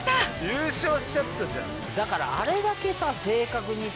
優勝しちゃったじゃん！